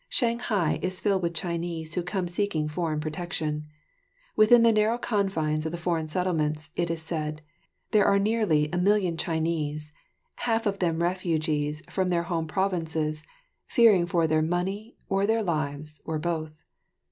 Shanghai is filled with Chinese who come seeking foreign protection. Within the narrow confines of the foreign settlements, it is said, there are nearly a million Chinese, half of them refugees from their home provinces, fearing for their money or their lives, or both.